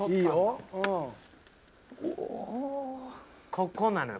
ここなのよ。